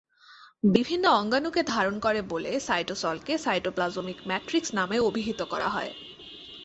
বিভিন্ন অঙ্গাণুকে ধারণ করে বলে সাইটোসলকে সাইটোপ্লাজমিক ম্যাট্রিক্স নামেও অভিহিত করা হয়।